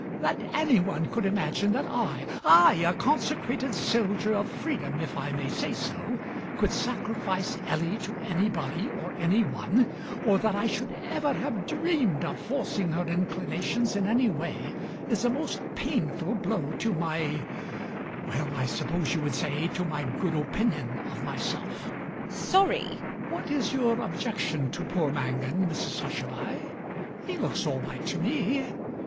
That anyone could imagine that I I, a consecrated soldier of freedom, if I may say so could sacrifice Ellie to anybody or anyone, or that I should ever have dreamed of forcing her inclinations in any way, is a most painful blow to my well, I suppose you would say to my good opinion of myself. MRS HUSHABYE [rather stolidly]. Sorry. MAZZINI [looking forlornly at the body]. What is your objection to poor Mangan, Mrs Hushabye? He looks all right to me.